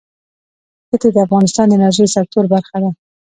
ښتې د افغانستان د انرژۍ سکتور برخه ده.